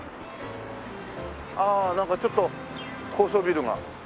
ああなんかちょっと高層ビルが。